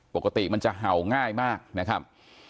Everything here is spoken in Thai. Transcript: ปกติมันจะเห่าง่ายมากนะครับ